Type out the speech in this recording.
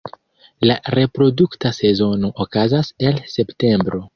La reprodukta sezono okazas el septembro.